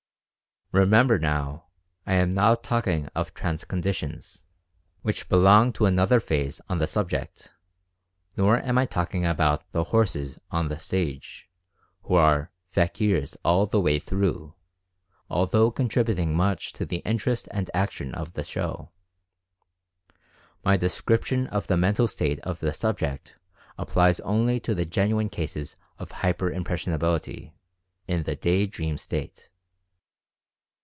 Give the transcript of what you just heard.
Remember, now, I am not talking of "trance conditions," which belong 144 Mental Fascination to another phase of the subject, nor am I talking about the "horses" on the stage, who are "fakirs" all the way through, although contributing much to the interest and action of the show. My description of the mental state of the subject applies only to the genuine cases of hyper impressionability, in the "day dream" state.